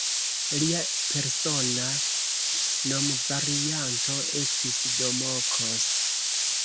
Lia persona nomvarianto estis "Domokos".